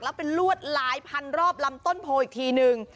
แล้วเป็นลวดหลายพันรอบลำต้นโพอีกทีนึง